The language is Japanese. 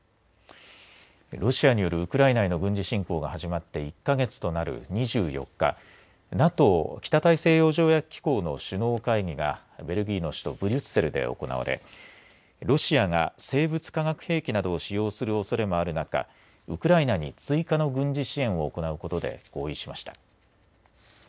ロシアによるウクライナへの軍事侵攻が始まって１か月となる２４日ＮＡＴＯ、北大西洋条約機構の首脳会議がベルギーの首都ブリュッセルで行われロシアが生物・化学兵器などを使用するおそれもある中ウクライナに追加の軍事支援を行うことで合意しました。